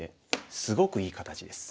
すごくいい形です。